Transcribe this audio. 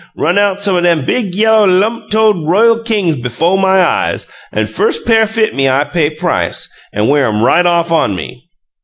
'Run out some them big, yella, lump toed Royal Kings befo' my eyes, an' firs' pair fit me I pay price, an' wear 'em right off on me!'